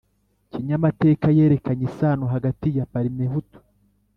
kinyamateka yerekanye isano hagati ya parimehutu